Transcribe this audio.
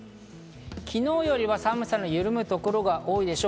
昨日よりは寒さがゆるむところが多いでしょう。